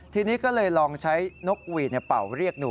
ทีนี้ก็เลยลองใช้นกหวีดเป่าเรียกดู